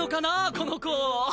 この子ォ！